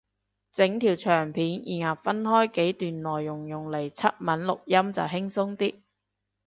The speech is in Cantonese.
整條長片然後分開幾段內容用嚟出文錄音就輕鬆啲